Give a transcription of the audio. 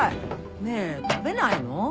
ねぇ食べないの？